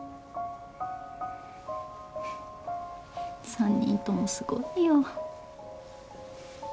３人ともすごいよ。